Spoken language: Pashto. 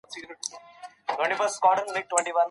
تاسي راتلای سوای .